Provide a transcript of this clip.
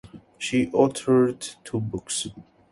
She authored two books.